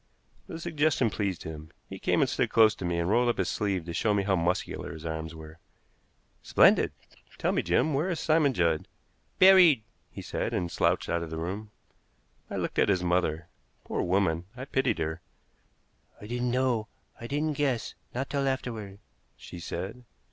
The suggestion pleased him. He came and stood close to me, and rolled up his sleeve to show me how muscular his arms were. "Splendid! Tell me, Jim, where is Simon Judd?" "Buried!" he said, and slouched out of the room. I looked at his mother. Poor woman! I pitied her. "I didn't know I didn't guess, not till afterward," she said.